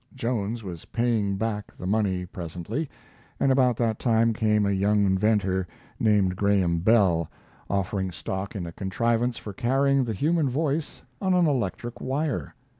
Jones was paying back the money presently, and about that time came a young inventor named Graham Bell, offering stock in a contrivance for carrying the human voice on an electric wire.